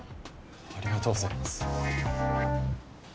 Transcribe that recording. ありがとうございます。